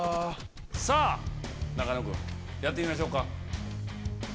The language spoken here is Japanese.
さぁ仲野君やってみましょうか。